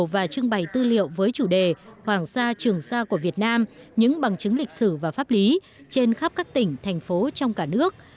và trưng bày tư liệu với chủ đề hoàng sa trường sa của việt nam những bằng chứng lịch sử và pháp lý trên khắp các tỉnh thành phố trong cả nước